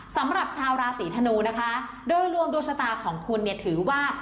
สำหรับชาวราศีธนูนะคะโดยรวมดวงชะตาของคุณเนี่ยถือว่า